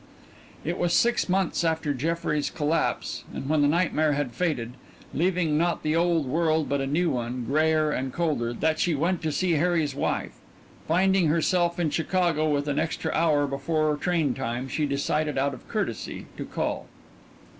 It was six months after Jeffrey's collapse and when the nightmare had faded, leaving not the old world but a new one, grayer and colder, that she went to see Harry's wife. Finding herself in Chicago with an extra hour before train time, she decided out of courtesy to call.